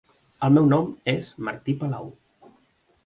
El meu nom és Martí Palau.